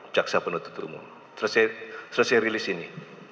jaksa penutup rumuh selesai rilis ini